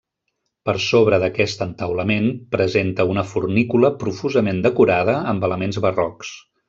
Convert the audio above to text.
Per sobre d'aquest entaulament presenta una fornícula profusament decorada amb elements barrocs.